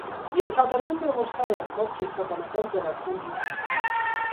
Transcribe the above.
Ենթադրվում է, որ սա է ընկած կենսաբանական ծերացման հիմքում։